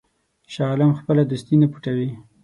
شاه عالم خپله دوستي نه پټوي.